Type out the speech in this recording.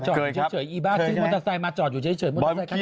เจอเฉ่อยอิบ่าเจอมอเตอร์สายมาจอดอยู่จะเฉ่อยมอเตอร์สายค่ะ